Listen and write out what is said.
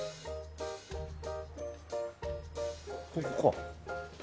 ここか。